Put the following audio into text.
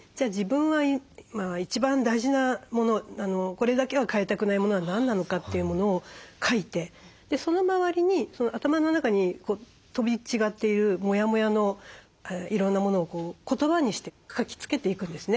これだけは変えたくないものは何なのかというものを書いてその周りに頭の中に飛び違っているモヤモヤのいろんなものを言葉にして書きつけていくんですね。